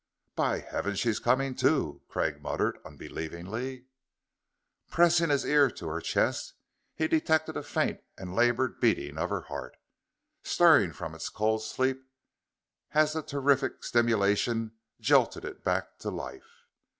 "By heaven, she's coming to!" Craig muttered unbelievingly. Pressing his ear to her chest, he detected a faint and labored beating of her heart, stirring from its cold sleep as the terrific stimulation jolted it back to life.